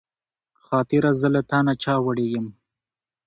خاطره زه له تا نه چا وړې يم